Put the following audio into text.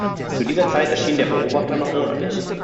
Zu dieser Zeit erschien der "Beobachter" noch monatlich.